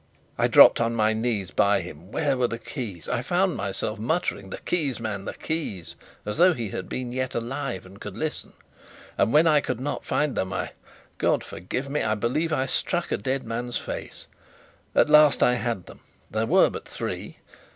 I dropped on my knees by him. Where were the keys? I found myself muttering: "The keys, man, the keys?" as though he had been yet alive and could listen; and when I could not find them, I God forgive me! I believe I struck a dead man's face. At last I had them. There were but three.